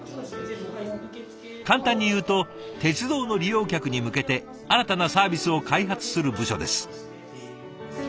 簡単に言うと鉄道の利用客に向けて新たなサービスを開発する部署です。